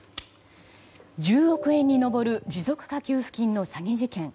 １０億円に上る持続化給付金の詐欺事件。